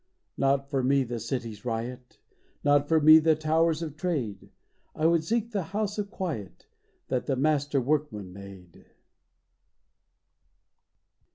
Not for me the city's riot ! Not for me the towers of Trade ! I would seek the house of Quiet, That the Master Workman made